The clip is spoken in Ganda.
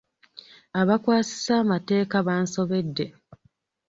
Abakwasisa emateeka bansobedde.